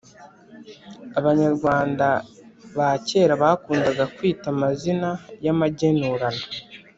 Abanyarwanda bakera bakundaga kwita amazina yamagenurano